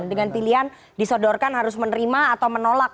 dengan pilihan disodorkan harus menerima atau menolak